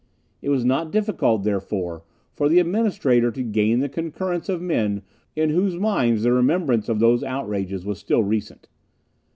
It was not difficult, therefore, for the Administrator to gain the concurrence of men in whose minds the rememberance of these outrages was still recent.